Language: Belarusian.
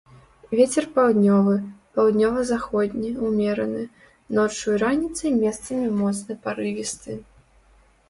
Вецер паўднёвы, паўднёва-заходні ўмераны, ноччу і раніцай месцамі моцны парывісты.